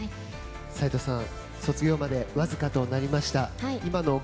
齋藤さん卒業までわずかとなりました。